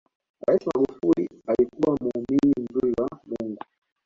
rais magufuli alikuwa muumini mzuri wa mungu